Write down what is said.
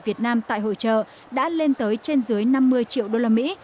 việt nam tại hội trợ đã lên tới trên dưới năm mươi triệu đô la mỹ